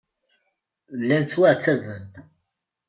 Llan ttwaɛettaben.